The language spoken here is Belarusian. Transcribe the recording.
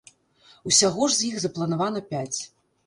Усяго ж іх запланавана пяць.